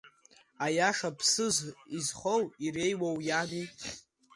Аиаша ԥсыс изхоу иреиуоу иами.